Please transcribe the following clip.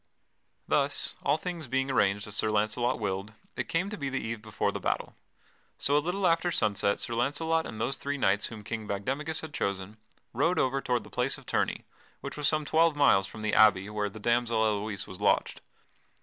Thus, all things being arranged as Sir Launcelot willed, it came to be the eve before the battle. So a little after sunset Sir Launcelot and those three knights whom King Bagdemagus had chosen rode over toward the place of tourney (which was some twelve miles from the abbey where the damsel Elouise was lodged).